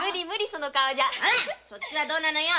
そっちはどうなのよ。